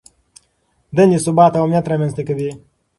دندې ثبات او امنیت رامنځته کوي.